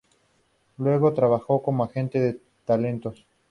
Luego trabajó como agente de talentos.